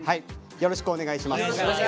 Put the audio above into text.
よろしくお願いします。